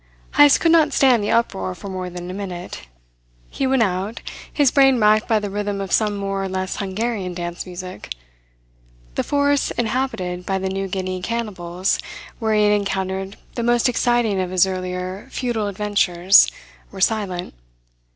Heyst could not stand the uproar for more than a minute. He went out, his brain racked by the rhythm of some more or less Hungarian dance music. The forests inhabited by the New Guinea cannibals where he had encountered the most exciting of his earlier futile adventures were silent.